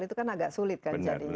itu kan agak sulit kan jadinya